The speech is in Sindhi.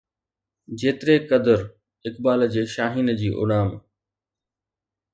جيتريقدر اقبال جي شاهين جي اڏام